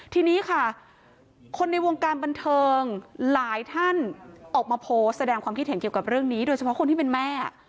ทีนี้ค่ะคนในวงการบันเทิงหลายท่านออกมาโพสต์แสดงความคิดเห็นเกี่ยวกับเรื่องนี้โดยเฉพาะคนที่เป็นแม่